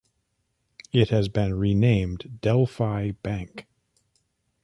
It has been renamed Delphi Bank.